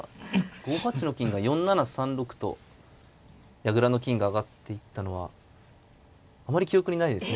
５八の金が４七３六と矢倉の金が上がっていったのはあまり記憶にないですね。